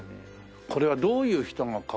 これはどういう人が買う？